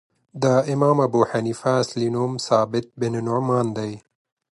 د امام ابو حنیفه اصلی نوم ثابت بن نعمان دی .